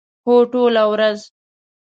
هو، ټوله ورځ